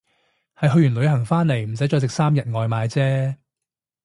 係去完旅行返嚟唔使再食三日外賣姐